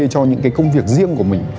cho những cái công việc riêng của mình